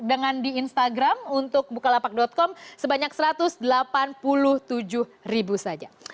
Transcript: dengan di instagram untuk bukalapak com sebanyak satu ratus delapan puluh tujuh ribu saja